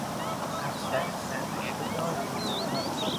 افسر سررشته داری